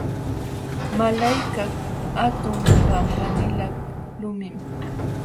Malaykaq hatun pampanilaq lumim.